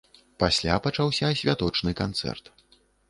Пасля пачаўся святочны канцэрт.